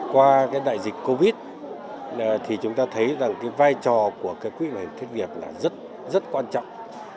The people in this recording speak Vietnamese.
qua cái đại dịch covid thì chúng ta thấy rằng cái vai trò của cái quỹ bảo hiểm thất nghiệp là rất rất quan trọng